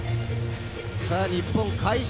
日本快勝！